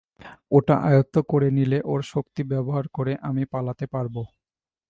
ওটা আয়ত্ত করে নিলে ওর শক্তি ব্যবহার করে আমি পালাতে পারবো!